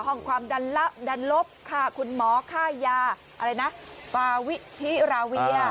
คั่งความดันลบค่าคุณหมอค่ายาอะไรนะปวิธิะ